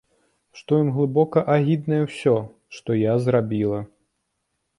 Што ім глыбока агіднае ўсё, што я зрабіла.